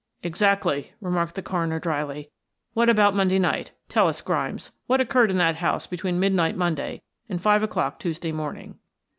"Exactly," remarked the coroner dryly. "What about Monday night? Tell us, Grimes, what occurred in that house between midnight Monday and five o'clock Tuesday morning."